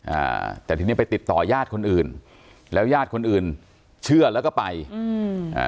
อ่าแต่ทีนี้ไปติดต่อญาติคนอื่นแล้วญาติคนอื่นเชื่อแล้วก็ไปอืมอ่า